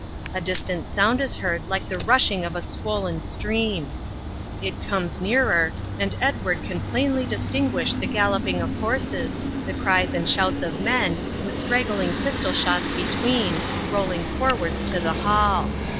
A distant sound is heard like the rushing of a swoln stream; it comes nearer, and Edward can plainly distinguish the galloping of horses, the cries and shouts of men, with straggling pistol shots between, rolling forwards to the Hall.